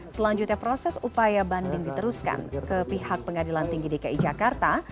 selanjutnya proses upaya banding diteruskan ke pihak pengadilan tinggi dki jakarta